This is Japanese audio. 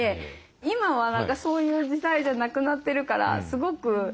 今はそういう時代じゃなくなってるからすごくいいと思いますよね。